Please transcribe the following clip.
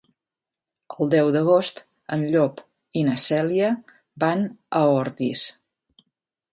El deu d'agost en Llop i na Cèlia van a Ordis.